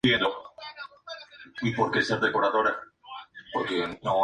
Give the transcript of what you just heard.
Llama con un "tik", cuando está asustado o excitado.